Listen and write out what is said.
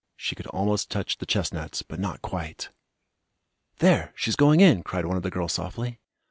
She could almost touch the chestnuts, but not quite. "There! She's going in!" cried one of the girls softly.